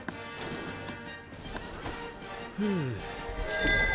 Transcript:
ふう。